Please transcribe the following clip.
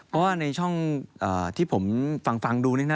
เพราะว่าในช่องที่ผมฟังดูนี่นะ